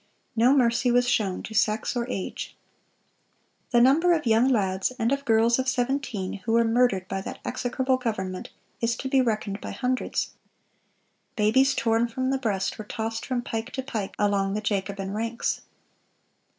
No mercy was shown to sex or age. The number of young lads and of girls of seventeen who were murdered by that execrable government, is to be reckoned by hundreds. Babies torn from the breast were tossed from pike to pike along the Jacobin ranks."